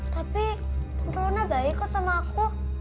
tapi tante luna baik kok sama aku